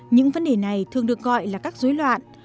những vấn đề này thường được gọi là các dối loạn